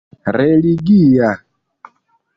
religia